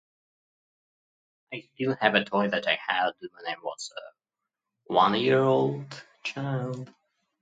I still have a toy that I had named monster. One-year-old child.